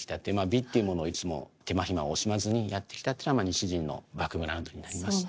美というものを手間暇惜しまずにやって来たというのが西陣のバックグラウンドになります。